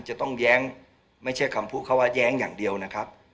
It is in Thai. จะต้องแย้งไม่ใช่คำพูดเขาว่าแย้งอย่างเดียวนะครับ